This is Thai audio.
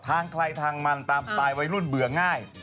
ทางใครทางมันตามสไตล์วัยรุ่นเบื่อง่าย